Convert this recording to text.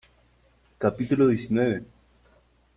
capítulo diecinueve.